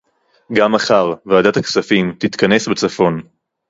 גם מחר ועדת הכספים תתכנס בצפון